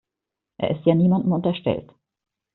Er ist ja niemandem unterstellt.